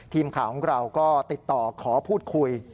ทีมข่าวของเราก็ติดต่อขอพูดคุย